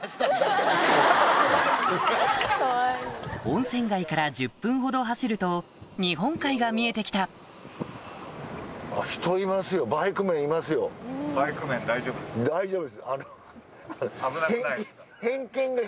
温泉街から１０分ほど走ると日本海が見えて来た偏見が。